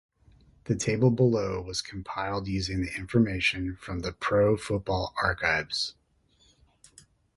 The table below was compiled using the information from The Pro Football Archives.